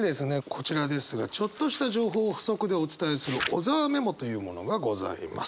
こちらですがちょっとした情報を補足でお伝えする小沢メモというものがございます。